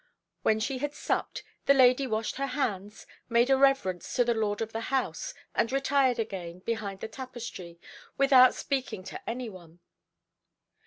When she had supped, the lady washed her hands, made a reverence to the lord of the house, and retired again behind the tapestry without speaking to any one.